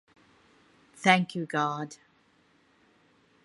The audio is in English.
Thank you God.